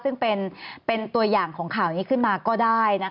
ซึ่งเป็นตัวอย่างของข่าวนี้ขึ้นมาก็ได้